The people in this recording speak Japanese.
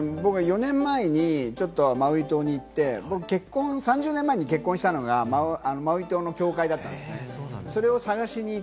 僕は４年前にマウイ島に行って、３０年前に結婚したのが、マウイ島の教会だったんですよね。